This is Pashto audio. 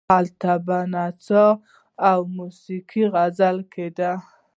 هلته به نڅا او موسیقي غږول کېده.